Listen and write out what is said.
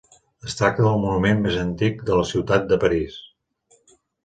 Es tracta del monument més antic de la ciutat de París.